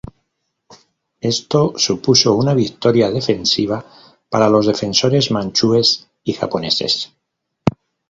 Esto supuso una victoria defensiva para los defensores manchúes y japoneses.